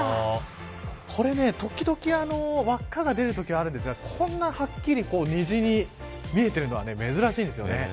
これ時々輪っかが出るときあるんですがこんなはっきり虹に見えてるのは珍しいんです。